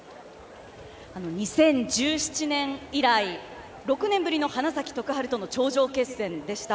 ２０１７年以来６年ぶりの花咲徳栄との頂上決戦でした。